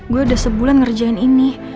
gue udah sebulan ngerjain ini